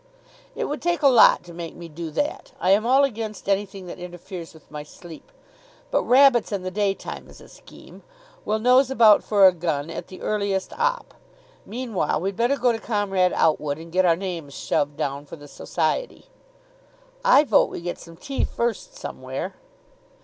"It would take a lot to make me do that. I am all against anything that interferes with my sleep. But rabbits in the daytime is a scheme. We'll nose about for a gun at the earliest opp. Meanwhile we'd better go up to Comrade Outwood, and get our names shoved down for the Society." "I vote we get some tea first somewhere."